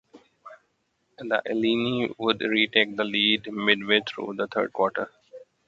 The Illini would retake the lead midway through the third quarter.